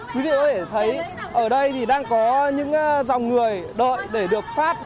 quý vị có thể thấy ở đây thì đang có những dòng người đợi để được phát